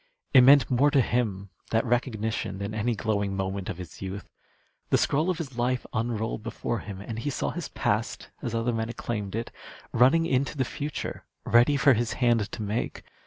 It meant more to him, that recognition, than any glowing moment of his youth. The scroll of his life unrolled before him, and he saw his past, as other men acclaimed it, running into the future ready for his hand to make.